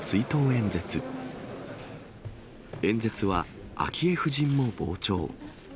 演説は、昭恵夫人も傍聴。